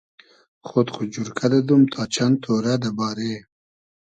خۉد خو جورکۂ دئدوم تا چئند تۉرۂ دۂ بارې